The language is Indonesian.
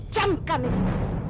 cam kan itu